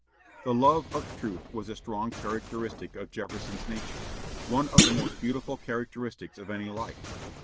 The love of truth was a strong characteristic of Jefferson's nature, one of the most beautiful characteristics of any life.